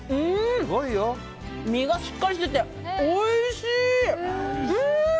身がしっかりしていておいしい！